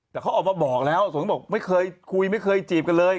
แต่เขาออกมาบอกแล้วส่วนก็บอกไม่เคยคุยไม่เคยจีบกันเลย